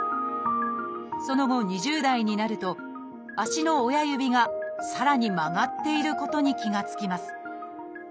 その後２０代になると足の親指がさらに曲がっていることに気が付きます。